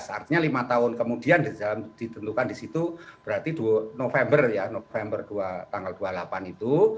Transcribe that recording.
artinya lima tahun kemudian ditentukan di situ berarti november ya november tanggal dua puluh delapan itu